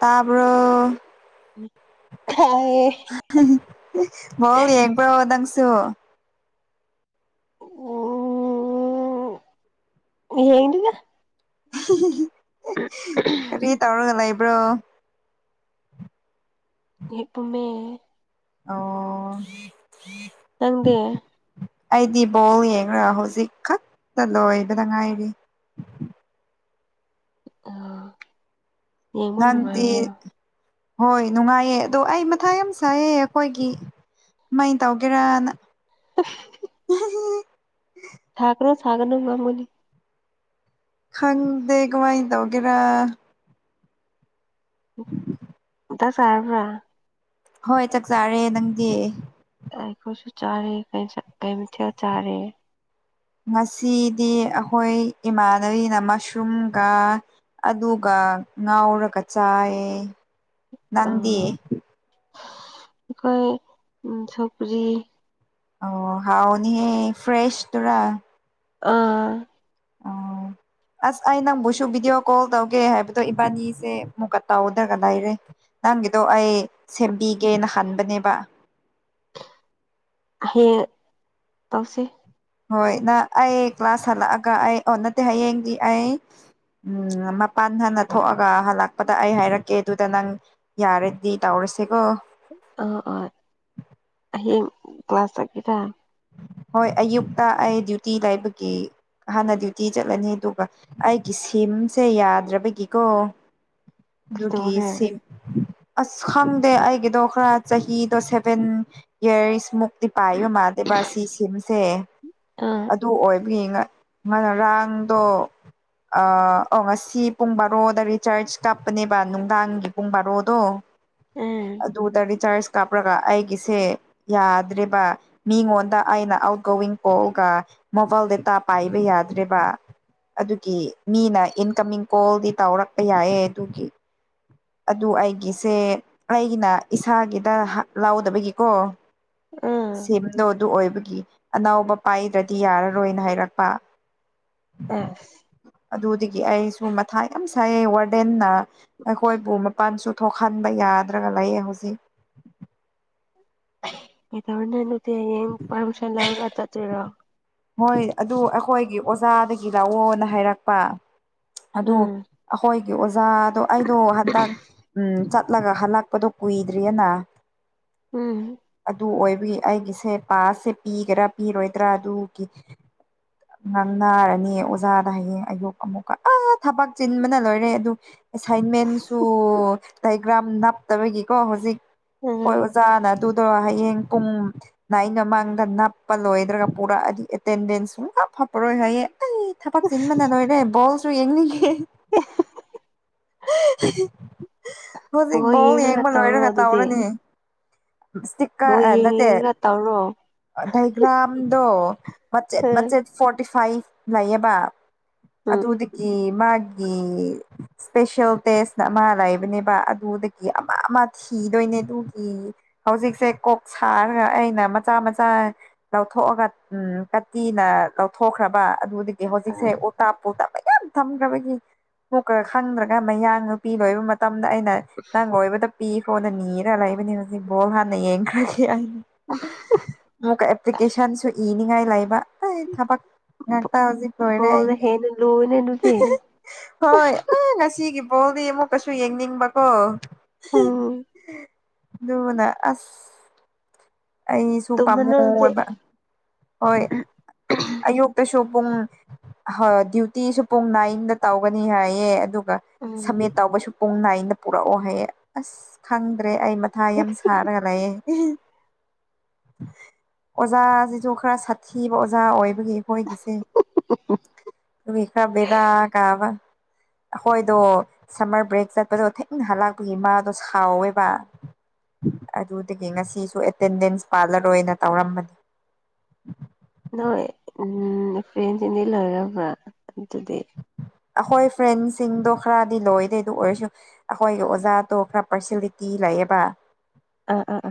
ꯇꯕ꯭ꯔꯣ ꯈꯥꯏꯌꯦ [unintelligible] ꯔꯣ ꯅꯪꯁꯨ ꯑꯣ [unintelligible] ꯀꯔꯤ ꯇꯧꯔꯒ ꯂꯩꯕ꯭ꯔꯣ [unintelligible] ꯑꯣ ꯅꯪꯗꯤ ꯑꯩꯗꯤ ꯕꯣꯜ ꯌꯦꯡꯉꯔ ꯍꯧꯖꯤꯛ ꯈꯛꯇ ꯂꯣꯏꯕꯗ ꯉꯥꯏꯔꯤ ꯑꯣ ꯅꯪꯗꯤ ꯍꯣꯏ ꯅꯨꯡꯉꯥꯏꯌꯦ ꯑꯗꯣ ꯑꯩ ꯃꯊꯥ ꯌꯥꯝ ꯁꯥꯏꯑꯦ ꯑꯩꯈꯣꯏꯒꯤ ꯃꯩ ꯇꯧꯒꯦꯔꯥꯅ [inaudible] ꯊꯒ꯭ꯔꯣ ꯁꯥꯒꯅꯨ [unintelligible] ꯈꯪꯗꯦ ꯀꯃꯥꯏ ꯇꯧꯒꯦꯔꯥ ꯃꯊꯥ ꯁꯥꯔꯕ꯭ꯔ ꯍꯣꯏ ꯆꯥꯛ ꯆꯥꯔꯦ ꯅꯪꯗꯤ ꯑꯩꯈꯣꯏꯁꯨ ꯆꯥꯔꯦ ꯀꯩ ꯃꯊꯦꯜ ꯆꯥꯔꯦ ꯉꯁꯤꯗꯤ ꯑꯩꯈꯣꯏ ꯏꯃꯥꯟꯅꯕꯤꯅ ꯃꯁꯔꯨꯝꯒ ꯑꯗꯨꯒ ꯉꯥꯎꯔꯒ ꯆꯥꯏꯌꯦ ꯅꯪꯗꯤ ꯑꯩꯈꯣꯏ ꯁꯧꯒ꯭ꯔꯤ ꯑꯣ ꯍꯥꯎꯑꯅꯤ ꯍꯦ ꯐ꯭ꯔꯦꯁ ꯇꯨꯔ ꯑꯥ ꯎ ꯑꯁ ꯑꯩ ꯅꯪꯕꯨꯁꯨ ꯚꯤꯗꯤꯑꯣ ꯀꯣꯜ ꯇꯧꯒꯦ ꯍꯥꯏꯕ ꯑꯗꯣ ꯏꯕꯥꯅꯤꯁꯦ ꯃꯨꯛ ꯀ ꯇ ꯇꯧꯗꯅ ꯂꯩꯔ‌ꯦ ꯅꯪꯒꯤꯗꯣ ꯑꯩ ꯁꯦꯝꯕꯤꯒꯦꯅ ꯍꯟꯕꯅꯦꯕ ꯍꯌꯦꯡ ꯇꯧꯁꯤ ꯍꯣꯏ ꯅꯪ ꯑꯩ ꯀ꯭ꯂꯥꯁ ꯍꯜꯂꯛꯑꯒ ꯑꯩ ꯑꯣ ꯅꯠꯇꯦ ꯍꯌꯦꯡꯗꯤ ꯑꯩ ꯎꯝ ꯃꯄꯥꯟ ꯍꯥꯟꯅ ꯊꯣꯛꯑꯒ ꯍꯜꯂꯛꯄꯗ ꯑꯩ ꯍꯥꯏꯔꯛꯀꯦ ꯑꯗꯨꯗ ꯅꯪ ꯌꯥꯔꯗꯤ ꯇꯧꯔꯁꯦꯀꯣ ꯑꯣ ꯑꯣ ꯍꯌꯦꯡ ꯀ꯭ꯂꯥꯁ ꯆꯠꯀꯦꯔꯥ ꯍꯣꯏ ꯑꯌꯨꯛꯇ ꯑꯩ ꯗ꯭ꯌꯨꯇꯤ ꯂꯩꯕꯒꯤ ꯍꯥꯟꯅ ꯗ꯭ꯌꯨꯇꯤ ꯆꯠꯂꯅꯤ ꯑꯗꯨꯒ ꯑꯩꯒꯤ ꯁꯤꯝꯁꯦ ꯌꯥꯗ꯭ꯔꯕꯒꯤꯀꯣ ꯑꯗꯨꯒꯤ ꯀꯩꯗꯧꯔꯦ ꯁꯤꯝ ꯑꯁ ꯈꯪꯗꯦ ꯑꯩꯒꯤꯗꯣ ꯈꯔ ꯆꯍꯤꯗꯣ ꯁꯦꯚꯦꯟ ꯌꯥꯔꯁꯃꯨꯛ ꯗꯤ ꯄꯥꯏꯕ ꯃꯥꯂꯦꯕꯥ ꯁꯤ ꯁꯤꯝꯁꯦ ꯑꯥ ꯑꯗꯨ ꯑꯣꯏꯕꯒꯤꯅ ꯉ ꯔꯥꯡꯗꯣ ꯑꯣ ꯉꯁꯤ ꯄꯨꯡ ꯕꯥꯔꯣꯗ ꯔꯤꯆꯥꯔꯆ ꯀꯥꯞꯄꯅꯦꯕ ꯅꯨꯡꯗꯥꯡꯒꯤ ꯄꯨꯡ ꯕꯥꯔꯣꯗꯣ ꯎꯝ ꯑꯗꯨꯗ ꯔꯤꯆꯥꯔꯖ ꯀꯥꯞꯕꯒ ꯑꯩꯒꯤꯁꯦ ꯌꯥꯗ꯭ꯔꯦꯕ ꯃꯤꯉꯣꯟꯗ ꯑꯩꯅ ꯑꯥꯎꯠꯒꯣꯋꯤꯡ ꯀꯣꯜꯒ ꯃꯣꯕꯥꯏꯜ ꯗꯥꯇꯥ ꯄꯥꯏꯕ ꯌꯥꯗ꯭ꯔꯦꯕ ꯑꯗꯨꯒꯤ ꯃꯤꯅ ꯏꯟꯀꯃꯤꯡ ꯀꯣꯜꯗꯤ ꯇꯧꯔꯛꯄ ꯌꯥꯏꯑꯦ ꯑꯗꯨꯒꯤ ꯑꯗꯨ ꯑꯩꯒꯤꯁꯦ ꯑꯩꯒꯤꯅ ꯏꯁꯥꯒꯤꯗ ꯂꯥꯎꯗꯕꯒꯤꯀꯣ ꯎꯝ ꯁꯤꯝꯗꯣ ꯑꯗꯨ ꯑꯣꯏꯕꯒꯤ ꯑꯅꯧꯕ ꯄꯥꯏꯗ꯭ꯔꯗꯤ ꯌꯥꯔꯔꯣꯏꯅ ꯍꯥꯏꯔꯛꯄ ꯑꯝ ꯑꯗꯨꯗꯒꯤ ꯑꯩꯁꯨ ꯃꯊꯥ ꯌꯥꯝ ꯁꯥꯏꯑꯦ ꯋꯥꯔꯗꯦꯟꯅ ꯑꯩꯈꯣꯏꯕꯨ ꯃꯄꯥꯟꯁꯨꯨ ꯊꯣꯛꯍꯟꯕ ꯌꯥꯗ꯭ꯔꯒ ꯂꯩꯌꯦ ꯍꯧꯖꯤꯛ [unintelligible] ꯍꯣꯏ ꯑꯗꯨ ꯑꯩꯈꯣꯏꯒꯤ ꯑꯣꯖꯥꯗꯒꯤ ꯂꯧꯑꯣꯅ ꯍꯥꯏꯔꯛꯄ ꯑꯗꯨ ꯎꯝ ꯑꯩꯈꯣꯏ ꯑꯣꯖꯥꯗꯣ ꯑꯩꯗꯣ ꯍꯟꯗꯛ ꯎꯝ ꯆꯠꯂꯒ ꯍꯜꯂꯛꯄꯗꯣ ꯀꯨꯏꯗ꯭ꯔꯤꯑꯦꯅ ꯎꯝ ꯑꯗꯨ ꯑꯣꯏꯕꯒꯤ ꯑꯩꯒꯤꯁꯦ ꯄꯥꯁꯁꯦ ꯄꯤꯒꯦꯔꯥ ꯄꯤꯔꯣꯏꯗ꯭ꯔꯥ ꯑꯗꯨꯒꯤ ꯉꯥꯡꯅꯔꯅꯤ ꯑꯣꯖꯥꯗ ꯍꯌꯦꯡ ꯑꯌꯨꯛ ꯑꯃꯨꯛꯀ ꯑ ꯊꯕꯛ ꯆꯤꯟꯕꯅ ꯂꯣꯏꯔꯦ ꯑꯗꯨ ꯑꯦꯁꯥꯏꯟꯃꯦꯟꯁꯨ ꯗꯥꯏꯒ꯭ꯔꯥꯝ ꯅꯞꯇꯕꯒꯤꯀꯣ ꯍꯧꯖꯤꯛ ꯍꯣꯏ ꯎꯝ ꯑꯣꯖꯥꯅ ꯑꯗꯨꯗꯣ ꯍꯌꯦꯡ ꯄꯨꯡ ꯅꯥꯏꯟ ꯃꯃꯥꯡꯗ ꯅꯞꯄ ꯂꯣꯏꯗ꯭ꯔꯒ ꯄꯨꯔꯛꯑꯗꯤ ꯑꯦꯇꯦꯟꯗꯦꯟꯁ ꯁꯨꯡ ꯍꯥꯞ ꯄꯔꯣꯏ ꯍꯥꯏꯌꯦ ꯑꯩ ꯊꯕꯛ ꯆꯤꯟꯕꯅ ꯂꯣꯏꯔꯦ ꯕꯣꯜꯁꯨ ꯌꯦꯡꯅꯤꯡꯒꯦ [unintelligible] ꯍꯧꯖꯤꯛ ꯍꯣꯏ ꯕꯣꯜ ꯌꯦꯡꯉ ꯌꯦꯡꯕ ꯇꯧꯔꯣ ꯑꯗꯨꯗꯤ ꯕꯣꯜ ꯏꯁꯇꯤꯛꯀꯥꯔ ꯌꯦꯡ ꯅꯠꯇꯦ ꯌꯦꯡꯉꯒ ꯇꯧꯔꯣ ꯗꯥꯏꯒ꯭ꯔꯥꯝꯗꯣ ꯃꯆꯦꯠ ꯎꯝ ꯃꯆꯦꯠ ꯐꯣꯔꯇꯤ ꯐꯥꯏꯚ ꯂꯩꯌꯦꯕ ꯎꯝ ꯑꯗꯨꯗꯒꯤ ꯃꯥꯒꯤ ꯏꯁꯄꯦꯁꯦꯜ ꯇꯦꯁꯅ ꯑꯃ ꯂꯩꯕꯅꯦꯕ ꯑꯗꯨꯗꯒꯤ ꯑꯃ ꯑꯃ ꯊꯤꯗꯣꯏꯅꯦ ꯑꯗꯨꯒꯤ ꯍꯧꯖꯤꯛꯁꯦ ꯀꯣꯛ ꯁꯥꯔꯒ ꯑꯩꯅ ꯃꯆꯥ ꯃꯆꯥ ꯂꯧꯊꯣꯛꯑꯒ ꯎꯝ ꯀꯥꯇꯤꯅ ꯂꯧꯊꯣꯛꯈ꯭ꯔꯕ ꯑꯗꯨꯗꯒꯤ ꯍꯧꯖꯤꯛꯁꯦ ꯎꯝ ꯇꯥꯞ ꯄꯣ ꯇ ꯃꯌꯥꯝ ꯊꯝꯈ꯭ꯔꯕꯒꯤ ꯃꯣꯛꯀ ꯈꯪꯗ꯭ꯔꯒ ꯃꯌꯥ ꯅꯨꯄꯤ ꯂꯣꯏꯕ ꯃꯇꯝꯗ ꯑꯩꯅ ꯅꯪ ꯂꯣꯏꯕꯗ ꯄꯤꯈ꯭ꯔꯣꯅ ꯅꯤꯔꯒ ꯂꯩꯕꯅꯤ ꯍꯧꯖꯤꯛ ꯕꯣꯜ ꯍꯥꯟꯅ ꯌꯦꯡꯈ꯭ꯔꯒꯦ ꯑꯩ ꯑꯃꯨꯛꯀ ꯑꯦꯄꯂꯤꯀꯦꯁꯟꯁꯨ ꯏꯅꯤꯉꯥꯏ ꯂꯥꯏꯕ ꯑꯩ ꯊꯕꯛ ꯉꯥꯛꯇ ꯍꯧꯖꯤꯛ ꯂꯣꯏꯔꯦ ꯕꯣꯜꯅ ꯑꯩꯒꯤ ꯍꯦꯟꯅ ꯂꯨꯏꯅꯦ ꯑꯗꯨꯗꯤ [unintelligible] ꯍꯣꯏ ꯑ ꯉꯁꯤꯒꯤ ꯕꯣꯜꯗꯤ ꯑꯃꯨꯛ ꯑꯩꯁꯨ ꯌꯦꯡꯅꯤꯡꯕꯀꯣ ꯎꯝ ꯑꯗꯨꯅ ꯑꯁ ꯑꯩꯁꯨ ꯄꯥꯝꯃꯨ ꯇꯨꯝꯃꯅꯨ ꯑꯗꯨꯗꯤ ꯑꯣꯏꯕ ꯍꯣꯏ ꯑꯌꯨꯛꯇꯁꯨ ꯄꯨꯡ ꯍꯣꯏ ꯗ꯭ꯌꯨꯇꯤꯁꯨ ꯄꯨꯡ ꯅꯥꯏꯟꯗ ꯇꯧꯒꯅꯤ ꯍꯥꯏꯌꯦ ꯑꯗꯨꯒ ꯎꯝ ꯁꯝꯃꯤꯠ ꯇꯧꯕꯁꯨ ꯄꯨꯡ ꯅꯥꯏꯟꯗ ꯄꯨꯔꯛꯑꯣ ꯍꯥꯏꯌꯦ ꯑꯁ ꯈꯪꯗ꯭ꯔꯦ ꯑꯩ ꯃꯊꯥ ꯌꯥꯝ ꯁꯥꯏꯌꯦ ꯔꯒ ꯂꯩꯌꯦ ꯑꯣꯖꯥꯁꯤꯁꯨ ꯈꯔ ꯁꯥꯊꯤꯕ ꯑꯣꯖꯥ ꯑꯣꯏꯕꯒꯤ ꯑꯩꯈꯣꯏꯒꯤꯁꯦ [inaudible] ꯑꯃꯤꯇꯥ ꯕꯦꯗꯥ ꯀꯥꯕ ꯑꯈꯣꯏꯗꯣ ꯁꯃꯔ ꯕ꯭ꯔꯦꯛ ꯆꯠꯄꯗꯣ ꯊꯦꯡꯅ ꯍꯜꯂꯥꯛꯄꯒꯤ ꯃꯥꯗꯣ ꯁꯥꯎꯋꯦꯕ ꯑꯗꯨꯗꯒꯤ ꯉꯁꯤꯁꯨ ꯑꯦꯇꯦꯟꯗꯦꯟꯁ ꯄꯥꯜꯂꯔꯣꯏꯅ ꯇꯧꯔꯝꯕꯅꯤ ꯅꯣꯏ ꯏꯝ ꯐ꯭ꯔꯦꯟꯁꯤꯡꯗꯤ ꯂꯣꯏꯔꯕ꯭ꯔꯥ ꯑꯗꯨꯗꯤ ꯑꯈꯣꯏ ꯐ꯭ꯔꯦꯟꯁꯤꯡꯗꯣ ꯈꯔꯗꯤ ꯂꯣꯏꯗꯦ ꯗꯨ ꯑꯣꯏꯔꯁꯨ__ ꯑꯈꯣꯏꯒꯤ ꯑꯣꯖꯥꯗꯣ ꯈꯔ ꯄꯥꯔꯁꯦꯂꯤꯇꯤ ꯂꯩꯌꯦꯕ ꯑꯥ ꯑ ꯑ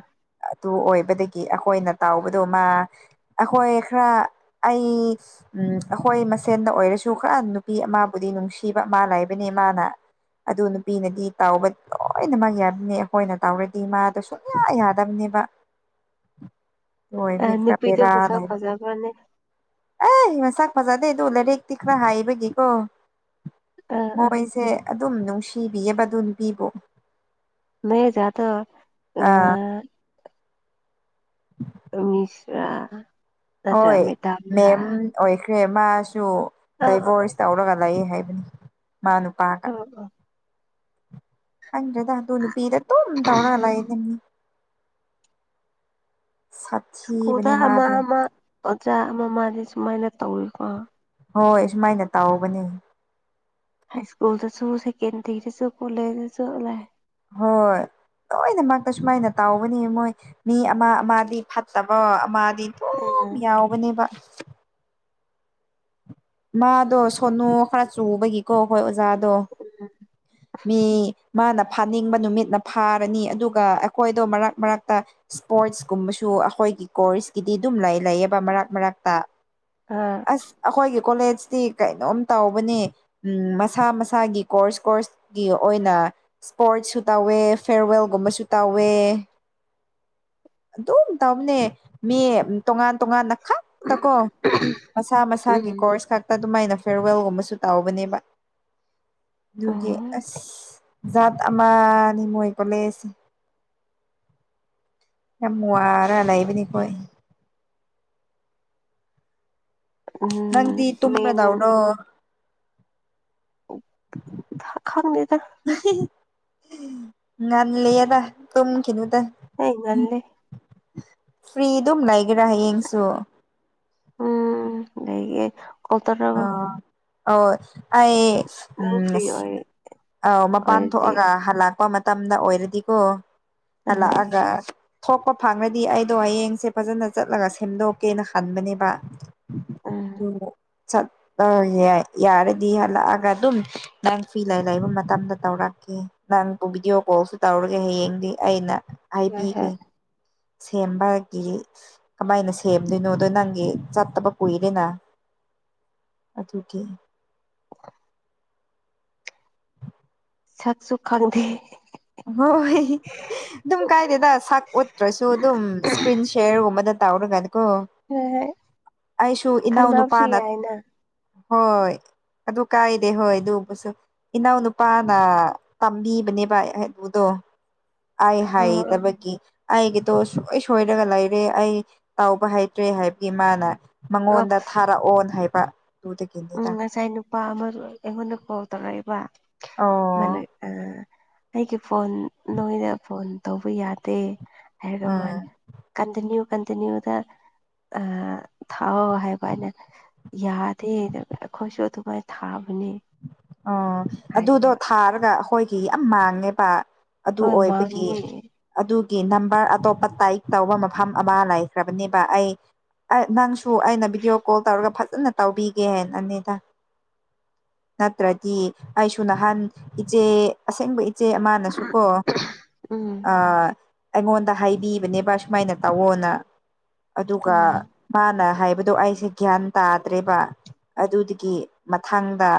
ꯑꯗꯨ ꯑꯣꯏꯕꯗꯒꯤ ꯑꯈꯣꯏꯅ ꯇꯥꯎꯕꯗꯣ ꯃꯥ__ ꯑꯈꯣꯏ ꯈꯔ ꯑꯩ ꯎꯝ ꯑꯈꯣꯏ ꯃꯁꯦꯟꯗ ꯑꯣꯏꯔꯁꯨ ꯈꯔ ꯅꯨꯄꯤ ꯑꯃꯕꯨꯗꯤ ꯅꯨꯡꯁꯤꯕ ꯑꯃ ꯂꯩꯕꯅꯦ ꯃꯥꯅ꯫ ꯑꯗꯨ ꯅꯨꯄꯤꯅꯗꯤ ꯇꯥꯎꯕ ꯂꯣꯏꯅꯃꯛ ꯌꯥꯕꯃꯦ ꯑꯈꯣꯏꯅ ꯇꯥꯎꯔꯗꯤ ꯃꯥꯗ ꯁꯨꯝ ꯌꯥ ꯌꯥꯗꯝꯅꯦꯕ ꯍꯣꯏ ꯃꯤ ꯑꯥ ꯈ ꯅꯨꯄꯤꯗꯣ ꯄꯦꯔꯥ ꯃꯁꯛ ꯂꯩꯕ ꯐꯖꯕ꯭ꯔꯅꯦ ꯑꯦ ꯏ ꯆꯥꯛ ꯐꯖꯥꯗꯦ ꯑꯗꯨꯣꯂꯥꯏꯔꯦꯛꯛꯇꯈꯅ ꯍꯥꯏꯥꯏꯕꯒꯀꯣ ꯑꯥ ꯑꯥ ꯃꯣꯏꯁꯦ ꯑꯗꯨꯝ ꯅꯨꯡꯁꯤꯕꯤꯑꯕ ꯑꯗꯨ ꯅꯨꯄꯤꯕꯨꯣ ꯃ ꯌꯥ ꯊ ꯑꯥ ꯎꯝ ꯃꯤꯁ꯭ꯔꯥ ꯍꯣꯏ ꯅꯠꯇ꯭ꯔꯒ ꯃꯦꯇꯥꯝ꯭ꯔꯥ ꯃꯦꯝ ꯑꯣꯏꯈ꯭ꯔꯦ ꯃꯥꯁꯨ ꯑꯥ ꯗꯥꯏꯚꯣꯔꯁ ꯇꯧꯔꯒ ꯂꯩ ꯍꯥꯏꯕꯅꯤ ꯃꯥ ꯅꯨ ꯑ ꯑ ꯑꯪ꯭ꯔꯗ ꯇꯨꯅ ꯅꯨꯄꯤꯤꯗ ꯇꯣ ꯇꯧꯔ ꯂ ꯂꯩꯗꯅꯤ ꯁꯠ ꯁ꯭ꯀꯨꯜꯗ ꯑꯃ ꯑꯃ ꯑꯣꯖꯥ ꯑꯃ ꯃꯥꯅꯦ ꯁꯨꯃꯥꯏꯅ ꯇꯧꯏꯀꯣ ꯍꯣꯏ ꯁꯨꯃꯥꯏꯅ ꯇꯥꯎꯧꯕꯅꯦ ꯍ ꯁꯀꯨꯜꯗꯁꯨ ꯁꯦꯀꯦꯟꯗꯔꯤꯗꯁꯨ ꯀꯣꯦꯖꯗꯁꯨ ꯍꯣꯏꯠ ꯂꯣꯏꯅꯃꯛꯇ ꯁꯨꯃꯥꯏꯅ ꯇꯥꯎꯕꯅꯤ ꯃꯣꯏ ꯃꯤ ꯑꯃ ꯑꯃꯗꯤ ꯐꯠꯇꯕ ꯑꯃꯗꯤ__ ꯎꯝ ꯌꯥꯎꯕꯅꯦꯕ ꯃꯥꯗꯣ ꯁꯣꯅꯣ ꯈꯔ ꯆꯨꯕꯒꯤꯀꯣ ꯍꯣꯏ ꯑꯣꯖꯥꯗꯣ ꯎꯝ ꯃꯤ ꯃꯥꯅ ꯐꯥꯅꯤꯡꯕ ꯅꯨꯃꯤꯠꯅ ꯐꯥꯔꯅꯤ ꯑꯗꯨꯒ ꯑꯦꯈꯣꯏꯗꯣ ꯃꯔꯛ ꯃꯔꯛꯇ__ ꯁꯄꯣꯔꯠꯁ ꯀꯨꯝꯕꯁꯨ ꯑꯈꯣꯏꯒꯤ ꯀꯣꯔꯁꯀꯤꯗꯤ ꯗꯨꯝ ꯂꯩ ꯂꯩꯌꯦꯕ ꯃꯔꯛ ꯃꯔꯛ ꯇꯥ ꯑꯥ ꯑꯁ ꯑꯈꯣꯏꯒꯤ ꯀꯣꯂꯦꯖꯇꯤ ꯀꯩꯅꯣꯝ ꯇꯧꯕꯅꯦ ꯎꯝ ꯃꯁꯥ ꯃꯁꯥꯒꯤ ꯀꯣꯔꯁ ꯀꯣꯔꯠ꯭ꯁꯀꯤ ꯑꯣꯏꯅ ꯁ꯭ꯄꯣꯔꯠꯁꯨ ꯇꯧꯋꯦ ꯐꯦꯔꯋꯦꯜꯒꯨꯝꯕꯁꯨ ꯇꯧꯋꯦ꯫ ꯑꯗꯨꯝ ꯇꯧꯅꯦ ꯃꯤ ꯇꯣꯉꯥꯟ ꯇꯣꯉꯥꯟꯅ ꯈ ꯇꯀꯣ ꯃꯁꯥ ꯃꯁꯥꯒꯤ ꯎꯝ ꯀꯣꯔꯁ ꯈꯛ ꯑꯗꯨꯃꯥꯏꯅ ꯐꯦꯔꯋꯦꯜꯒꯨꯝꯕꯁꯨ ꯇꯥꯎꯕꯅꯦꯕ ꯗꯨꯒꯤ ꯎꯝ ꯑꯁ ꯖꯥꯠ ꯑꯃꯥꯅꯤ ꯃꯣꯏ ꯀꯣꯂꯦꯖꯁꯦ ꯌꯥꯝ ꯋꯥꯔ ꯂꯩꯕꯅꯤꯈꯣꯏ꯫ ꯅꯪꯗꯤ ꯎꯝ ꯇꯨꯝꯔ ꯃꯦꯝꯅ ꯗꯧꯔꯣ꯫ ꯍꯥ ꯈꯪꯗꯦꯗ꯫ ꯉꯟꯂꯤꯌꯦꯗ ꯇꯨꯝꯈꯤꯅꯨꯗ ꯑꯩ ꯉꯜꯂꯦ ꯐ꯭ꯔꯤ ꯗꯨꯝ ꯂꯩꯒꯦꯔꯥ ꯍꯌꯦꯡꯁꯨ ꯎꯝ ꯗꯩꯒꯤ ꯑ ꯑꯧ ꯑꯩ ꯅꯪ ꯎꯝ ꯐ꯭ꯔꯤ ꯑꯣꯏ ꯑꯧ ꯃꯄꯥꯟ ꯑꯣꯏꯔꯗꯤ ꯊꯣꯛꯑꯒ ꯍꯜꯂꯛꯄ ꯇꯝꯗ ꯑꯣꯏꯔꯗꯤꯀꯣ ꯑꯍ ꯍꯜꯂꯛꯑꯒ ꯊꯣꯛꯄ ꯐꯪꯔꯗꯤ ꯑꯩꯗꯣ ꯍꯌꯦꯡꯁꯦ ꯐꯖꯅ ꯆꯠꯂꯒ ꯁꯦꯝꯗꯣꯛꯀꯦꯅ ꯈꯟꯕꯅꯦꯕ ꯑꯗꯨ ꯎꯝ ꯆꯠꯄ ꯌꯥꯏ ꯌꯥꯔꯗꯤ ꯍꯜꯂꯛꯑꯒ ꯑꯗꯨꯝ ꯅꯪ ꯐ꯭ꯔꯤ ꯂꯩ ꯂꯩꯕ ꯃꯇꯝꯗ ꯇꯧꯔꯛꯀꯦ ꯅꯪꯕꯨ ꯚꯤꯗꯤꯑꯣ ꯀꯣꯜꯁꯨ ꯇꯧꯔꯒꯦ ꯍꯌꯦꯡꯗꯤ ꯑꯩꯅ ꯍꯣꯏ ꯍꯥꯏꯕꯤꯒꯦ ꯍꯣꯏ ꯁꯦꯝꯕꯒꯤ ꯀꯃꯥꯏꯅ ꯁꯦꯝꯗꯣꯏꯅꯣꯗꯣ ꯅꯪꯒꯤ ꯆꯠꯇꯕ ꯀꯨꯏꯔꯦꯅ ꯑꯗꯨꯒꯤ ꯑꯣ ꯁꯛꯁꯨ ꯈꯪꯗꯦ ꯍꯣꯏ ꯑꯗꯨꯝ ꯀꯥꯏꯗꯦꯗ ꯁꯛ ꯎꯠꯇ꯭ꯔꯁꯨ ꯑꯗꯨꯝ ꯏꯁꯀ꯭ꯔꯤꯟ ꯁꯦꯔꯒꯨꯝꯕꯗ ꯇꯧꯔꯒꯅꯤꯀꯣ ꯍꯣꯏ ꯍꯣꯏ ꯑꯩꯁꯨ ꯏꯅꯥꯎ ꯈꯪꯅꯕꯁꯨ ꯅꯨꯄꯥꯅ ꯌꯥꯏꯅ ꯍꯣꯏ ꯑꯗꯨ ꯀꯥꯏꯗꯦ ꯍꯣꯏ ꯑꯗꯨꯝꯕꯁꯨ ꯏꯅꯥꯎ ꯅꯨꯄꯥꯅ ꯇꯝꯕꯤꯕꯅꯦꯕ ꯍ ꯕꯨꯗꯣ ꯑꯩ ꯑꯣ ꯍꯥꯏꯇꯕꯒꯤ ꯑꯩꯒꯤꯗꯣ ꯁꯣꯏ ꯁꯣꯏꯔꯒ ꯂꯩꯔꯦ ꯑꯩ ꯇꯧꯕ ꯍꯩꯇ꯭ꯔꯦ ꯍꯥꯏꯕꯒꯤ ꯃꯥꯅ ꯑꯣ ꯃꯉꯣꯟꯗ ꯊꯥꯔꯛꯑꯣꯟ ꯍꯥꯏꯕ ꯎꯝ ꯑꯗꯨꯗꯒꯤꯅꯤꯗ ꯉꯁꯥꯏ ꯅꯨꯄꯥ ꯑꯃꯗꯣ ꯑꯩꯉꯣꯟꯗ ꯀꯣꯜ ꯇꯧꯔꯛꯑꯦꯕ ꯑꯧ ꯃꯅꯦ ꯑꯥ ꯑꯩꯒꯤ ꯐꯣꯟ ꯅꯣꯏꯅ ꯐꯣꯟ ꯇꯧꯕ ꯌꯥꯗꯦ ꯍꯥꯏꯗ‌ꯣ ꯎꯝ ꯃꯥꯟ ꯀꯟꯇꯤꯅ꯭ꯌꯨ ꯀꯟꯇꯤꯅꯤ꯭ꯌꯨꯗ ꯑ‌ ꯊꯥꯎꯑꯣ ꯍꯥꯏꯕ ꯑꯩꯅ ꯌꯥꯠ ꯑꯩꯈꯣꯏꯁꯨ ꯑꯗꯨꯃꯥꯏꯅ ꯊꯥꯕꯅꯦ ꯑꯣ ꯑꯗꯨꯗꯣ ꯍꯥꯏꯌꯦꯕ ꯊꯥꯔꯒ ꯑꯩꯈꯣꯏꯒꯤ ꯌꯥꯝ ꯃꯥꯡꯉꯦꯕ ꯑꯗꯨ ꯍꯣꯏ ꯑꯣꯏꯕꯒꯤ ꯃꯥꯡꯉꯦ ꯑꯗꯨꯒꯤ ꯅꯝꯕꯔ ꯑꯇꯣꯞꯄ ꯇꯥꯏꯞ ꯇꯧꯕ ꯃꯐꯝ ꯑꯃ ꯂꯩꯈ꯭ꯔꯕꯅꯦꯕ ꯑꯩ ꯅꯪꯁꯨ ꯑꯩꯅ ꯚꯕꯤꯗꯤꯑꯣ ꯀꯣꯜ ꯇꯧꯔꯒ ꯐꯖꯅ ꯇꯧꯕꯤꯒꯦ ꯍꯥꯏꯅ ꯑꯅꯤꯗ ꯅꯠꯇ꯭ꯔꯗꯤ ꯑꯩꯁꯨ ꯅꯍꯥꯟ ꯏꯆꯦ ꯑꯁꯦꯡꯕ ꯏꯆꯦ ꯑꯃ ꯅꯪꯁꯨ ꯀꯣ ꯑ ꯎꯝ ꯑꯩꯉꯣꯟꯗ ꯍꯥꯏꯕꯤꯕꯅꯦꯕ ꯁꯨꯃꯥꯏꯅ ꯇꯧꯋꯣꯅ ꯑꯗꯨꯒ ꯑꯣ ꯃꯥꯅ ꯍꯥꯏꯕꯗꯣ ꯑꯩꯁꯦ ꯒ꯭ꯌꯥꯟ ꯇꯥꯗ꯭ꯔꯦꯕ ꯑꯗꯨꯗꯨꯒꯤ ꯃꯊꯥꯡꯗ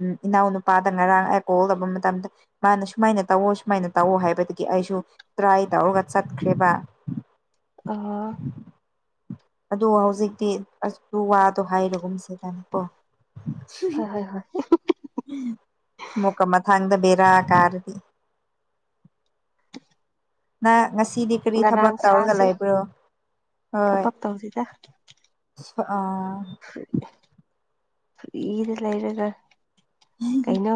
ꯎꯝ ꯏꯅꯥꯎ ꯅꯨꯄꯥꯗ ꯉꯔꯥꯡ ꯀꯣꯜ ꯇꯧꯕ ꯃꯇꯝꯗ ꯃꯥꯅ ꯁꯨꯃꯥꯏꯅ ꯇꯧꯑꯣ ꯁꯨꯃꯥꯏꯅ ꯇꯧꯑꯣ ꯍꯥꯏꯕꯗꯒꯤ ꯑꯩꯁꯨ ꯇ꯭ꯔꯥꯏ ꯇꯧꯔꯒ ꯆꯠꯈ꯭ꯔꯦꯕ ꯑ ꯑꯗꯣ ꯍꯧꯖꯤꯛꯇꯤ ꯑ ꯋꯥꯗꯣ ꯍꯥꯏꯔꯣꯒꯨꯝꯁꯤꯗꯅꯀꯣ ꯍꯣꯏ ꯍꯣꯏ ꯍꯣꯏ ꯑꯃꯨꯛꯀ ꯃꯊꯥꯡꯗ ꯕꯦꯔꯥ ꯀꯥꯔꯗꯤ [unintelligible] ꯅ ꯉꯁꯤꯗꯤ ꯀꯔꯤ ꯊꯕꯛ ꯉꯔꯥꯡ ꯇꯧꯔꯒ ꯁꯥꯁꯤ ꯂꯩꯕ꯭ꯔꯣ ꯍꯣꯏ ꯊꯕꯛ ꯇꯧꯁꯤꯗ ꯑ ꯐ꯭ꯔꯤꯗ ꯂꯩꯔꯒ ꯀꯩꯅꯣ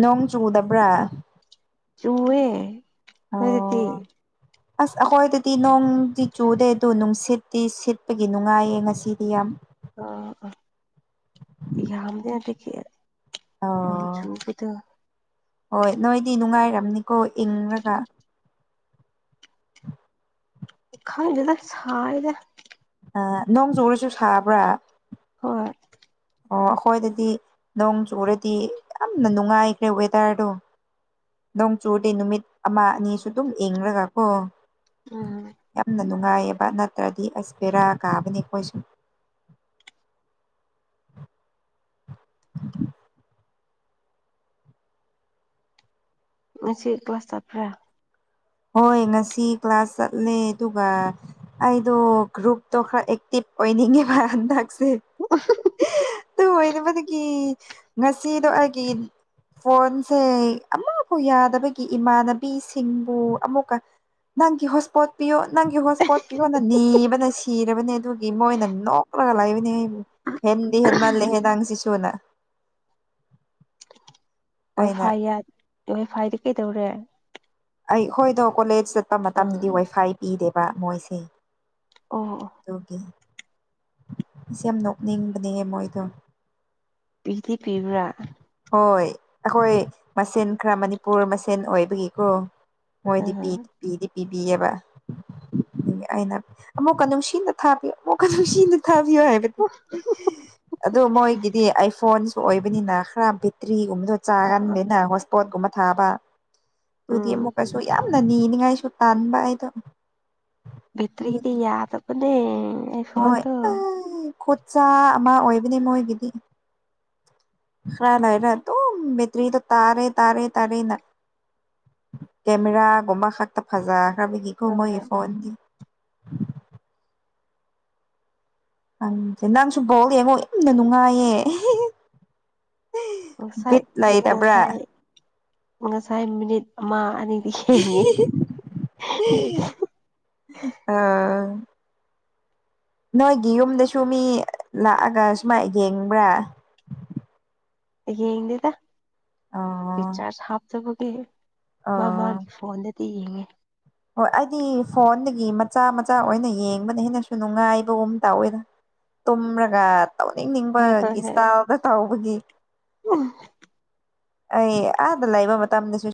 ꯅꯣꯡ ꯆꯨꯗꯕ꯭ꯔꯥ ꯆꯨꯋꯦ ꯅꯣꯏꯗꯤ ꯎ [unintelligible] ꯑꯁ ꯑꯩꯈꯣꯏꯗꯗꯤ ꯅꯣꯡꯗꯤ ꯆꯨꯗꯦ ꯑꯗꯨꯗꯣ ꯅꯨꯡꯁꯤꯠꯇꯤ ꯁꯤꯠꯄꯒꯤ ꯅꯨꯡꯉꯥꯏꯌꯦ ꯉꯁꯤꯗꯤ ꯌꯥꯝ ꯑ ꯑ ꯌꯥꯝꯗꯤꯅꯗꯤ ꯅꯣꯡ ꯑꯣ ꯆꯨꯕꯗꯣ ꯍꯣꯏ ꯅꯣꯏꯗꯤ ꯅꯨꯡꯉꯥꯏꯔꯝꯅꯤꯀꯣ ꯏꯪꯉꯒ ꯈꯪꯗꯦꯗ ꯁꯥꯏꯗ ꯑ ꯅꯣꯡ ꯆꯨꯔꯁꯨ ꯁꯥꯕ꯭ꯔꯥ ꯍꯣꯏ ꯑꯣ ꯑꯩꯈꯣꯏꯗꯗꯤ ꯅꯣꯡ ꯆꯨꯔꯗꯤ ꯌꯥꯝꯅ ꯅꯨꯡꯉꯥꯏꯈ꯭ꯔꯦ ꯋꯦꯗꯔꯗꯣ ꯅꯣꯡ ꯆꯨꯗꯦ ꯅꯨꯃꯤꯠ ꯑꯃ ꯑꯅꯤꯁꯨ ꯑꯗꯨꯝ ꯌꯦꯡꯔꯒ ꯀꯣ ꯎꯝ ꯌꯥꯝꯅ ꯅꯨꯡꯉꯥꯏꯌꯦꯕ ꯅꯠꯇ꯭ꯔꯗꯤ ꯑꯁꯕꯦꯔꯥ ꯀꯥꯕꯅꯦ ꯑꯩꯈꯣꯏꯁꯨ ꯉꯁꯤ ꯀ꯭ꯂꯥꯁ ꯇꯔꯄ꯭ꯔꯥ ꯍꯣꯏ ꯉꯁꯤ ꯀ꯭ꯂꯥꯁ ꯆꯠꯂꯦ ꯑꯗꯨꯒ ꯑꯩꯗꯣ ꯒ꯭ꯔꯨꯞꯇꯣ ꯈꯔ ꯑꯦꯛꯇꯤꯚ ꯑꯣꯏꯅꯤꯡꯉꯦꯕ ꯑꯟꯗꯥꯛꯁꯦ ꯑꯗꯨ ꯑꯣꯏꯕꯗꯒꯤ ꯉꯁꯤꯗꯣ ꯑꯩꯒꯤ ꯐꯣꯟꯁꯦ ꯑꯃꯕꯨ ꯌꯥꯗꯕꯒꯤ ꯏꯃꯥꯟꯅꯕꯤꯁꯤꯡꯕꯨ ꯑꯃꯀ ꯅꯪꯒꯤ ꯍꯣꯁ ꯄꯣꯠ ꯄꯤꯌꯣ ꯅꯪꯒꯤ ꯍꯣꯁ ꯄꯣꯠ ꯄꯤꯌꯣ ꯅꯪ ꯅꯤꯕꯅ ꯁꯤꯔꯕꯅꯤ ꯑꯗꯨꯒꯤ ꯃꯣꯏꯅ ꯅꯣꯛꯂꯒ ꯂꯩꯕꯅꯦ ꯍꯦꯟꯗꯤ ꯍꯦꯟ ꯃꯥꯜꯂꯦ ꯍꯦ ꯅꯥꯡꯁꯤꯁꯨꯨꯅ ꯋꯥꯏ ꯑꯩꯅ ꯐꯥꯏ ꯋꯥꯏ ꯐꯥꯏꯗꯤ ꯀꯩꯗꯧꯔꯦ ꯑꯩ ꯍꯣꯏꯗꯣ ꯀꯣꯂꯦꯖ ꯆꯠꯄ ꯑꯥ ꯃꯇꯝꯗꯗꯤ ꯋꯥꯏꯐꯥꯏ ꯄꯤꯗꯦꯕ ꯃꯣꯏꯁꯦ ꯑꯣ ꯑꯗꯨꯒꯤ ꯏꯁ ꯌꯥꯝ ꯅꯣꯛꯅꯤꯡꯕꯅꯦ ꯃꯣꯏꯗꯣ ꯄꯤꯗꯤ ꯄꯤꯕ꯭ꯔꯥ ꯍꯣꯏ ꯑꯩꯈꯣꯏ ꯃꯁꯦꯟ ꯈꯔ ꯃꯅꯤꯄꯨꯔ ꯃꯁꯦꯟ ꯑꯣꯏꯕꯒꯤꯀꯣ ꯑꯥ ꯑꯩꯈꯣꯏꯗꯤ ꯄꯤ ꯑꯥ ꯄꯤꯗꯤ ꯄꯤꯕꯤꯌꯦꯕ ꯑꯩꯅ ꯑꯃꯨꯛꯀ ꯅꯨꯡꯁꯤꯅ ꯊꯥꯕꯤ ꯑꯃꯨꯛꯀ ꯅꯨꯡꯁꯤ ꯅꯨꯡꯇꯤꯒꯤ ꯊꯥꯕꯤꯌꯣꯅ ꯑꯗꯨ ꯃꯣꯏꯒꯤꯗꯤ ꯑꯥꯏꯐꯣꯟꯁꯨ ꯑꯣꯏꯕꯅꯤꯅ ꯈꯔ ꯕꯦꯇ꯭ꯔꯤꯒꯨꯝꯕꯗꯣ ꯑꯥ ꯆꯥꯒꯅꯤꯅ ꯄꯣꯠꯒꯨꯝꯕ ꯊꯥꯕ ꯑꯗꯨꯗꯤ ꯎꯝ ꯑꯃꯨꯛꯀꯁꯨ ꯌꯥꯝꯅ ꯅꯤꯅꯤꯡꯉꯥꯏꯁꯨ ꯇꯥꯟꯕ ꯍꯥꯏꯗꯣ ꯚꯇꯔꯤꯗꯤ ꯌꯥꯗꯅꯦ ꯍꯣꯏ ꯈꯨꯠꯆꯥ ꯑꯃ ꯑꯣꯏꯕꯅꯦ ꯃꯣꯏꯒꯤꯗꯤ ꯈꯔ ꯂꯔ ꯇ ꯃꯦꯇ꯭ꯔꯤꯗ ꯇꯥꯔꯦ ꯇꯥꯔꯦ ꯇꯔꯦ ꯀꯦꯃꯦꯔ ꯀꯣꯃꯥ ꯍꯥꯛ ꯇ ꯐꯖꯥ ꯀꯔꯕꯀꯨ ꯃꯣꯏ ꯍꯣꯏ ꯐꯣꯟ ꯍꯪꯁꯦ ꯅꯪꯁꯨ ꯕꯣꯛꯦꯡꯉꯣ ꯌꯥꯝꯅ ꯅꯨꯡꯉꯥꯏꯌꯦ ꯉꯁꯥꯏ ꯒꯨꯠ ꯂꯩꯇꯕ꯭ꯔꯥ ꯉꯁꯥꯏ ꯉꯁꯥꯏ ꯃꯤꯅꯤꯠ ꯑꯃ ꯑꯅꯤꯗꯤ ꯍꯦꯡꯉꯤꯁ ꯑ ꯅꯣꯏꯒꯤ ꯌꯨꯝꯗꯁꯨ ꯃꯤ ꯂꯥꯛꯑꯒ ꯁꯨꯃꯥꯏ ꯌꯦꯡꯕ꯭ꯔꯥ ꯌꯦꯡꯗꯦꯗ ꯑꯣ ꯆꯔꯖ ꯍꯥꯞꯇꯕꯒꯤ ꯑꯣ ꯃꯥꯒꯤ ꯐꯣꯟꯗꯗꯤ ꯌꯦꯡꯉꯦ ꯍꯣꯏ ꯑꯩꯗꯤ ꯐꯣꯟꯗꯒꯤ ꯃꯆꯥ ꯃꯆꯥ ꯑꯣꯏꯅ ꯌꯦꯡꯕꯗ ꯍꯦꯟꯅꯁꯨ ꯅꯨꯡꯉꯥꯏꯕꯒꯨꯝ ꯇꯧꯋꯦꯗ ꯇꯨꯝꯔꯒ ꯍꯣꯏ ꯇꯧꯅꯤꯡꯅꯤꯡꯕꯒꯤ ꯏꯁꯇꯥꯏꯜꯗ ꯇꯧꯕꯒꯤ ꯎ ꯑꯩ ꯑꯥꯗ ꯂꯩꯕ ꯃꯇꯝꯗꯁꯨ